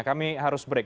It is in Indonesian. kami harus break